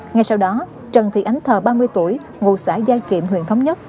ngay sau đó trần thị ánh thờ ba mươi tuổi ngụ xã giai kiệm huyện thống nhất